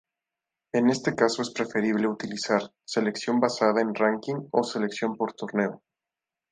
En este caso es preferible utilizar selección basada en ranking o selección por torneo.